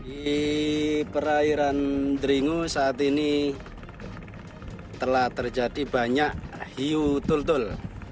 di perairan deringu saat ini telah terjadi banyak hiu tutul